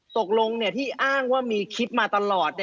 ตกลงที่อ้างว่ามีคลิปมาตลอด